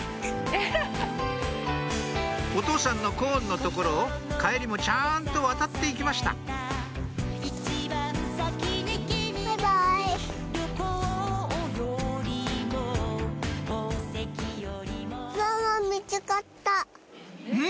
お父さんのコーンの所を帰りもちゃんと渡って行きましたん？